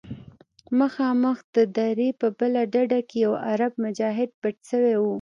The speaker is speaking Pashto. مخامخ د درې په بله ډډه کښې يو عرب مجاهد پټ سوى و.